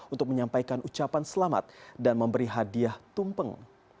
untuk menyampaikan ucapan selamat dan memberi hadiah tumpeng